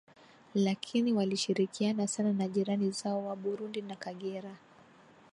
Lakini walishirikiana sana na jirani zao wa burundi na kagera